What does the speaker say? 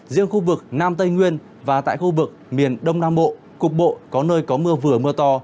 riêng khu vực nam tây nguyên và tại khu vực miền đông nam bộ cục bộ có nơi có mưa vừa mưa to